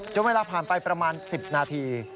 เวลาผ่านไปประมาณ๑๐นาที